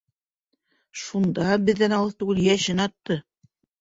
Шунда беҙҙән алыҫ түгел йәшен атты.